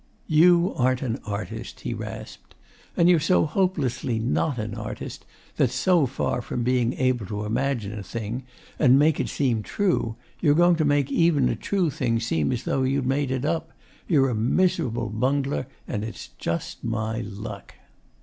'You aren't an artist,' he rasped. 'And you're so hopelessly not an artist that, so far from being able to imagine a thing and make it seem true, you're going to make even a true thing seem as if you'd made it up. You're a miserable bungler. And it's like my luck.